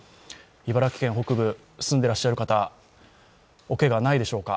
茨城県北部に住んでらっしゃる方、おけが、ないでしょうか。